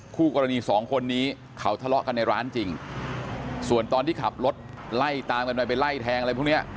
คู่กรณีสองคนนี้เขาทะเลาะกันในร้านจริงส่วนตอนที่ขับรถไล่ตามกันไปไปไล่แทงอะไรพวกเนี้ย